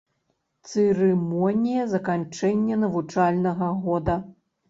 Цырымонія заканчэння навучальнага года.